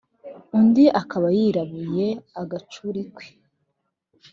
Undi akaba yirabuye agacurikwe